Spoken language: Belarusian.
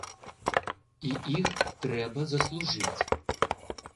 І іх трэба заслужыць.